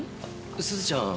すずちゃん。